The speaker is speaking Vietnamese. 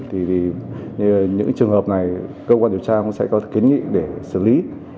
thì những trường hợp này cơ quan điều tra cũng sẽ có kiến nghị để xử lý